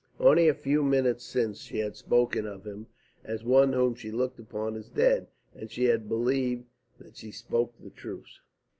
Only a few minutes since she had spoken of him as one whom she looked upon as dead, and she had believed that she spoke the truth.